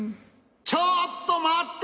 ちょっとまって！